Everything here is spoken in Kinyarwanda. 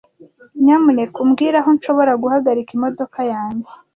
Nyamuneka umbwire aho nshobora guhagarika imodoka yanjye.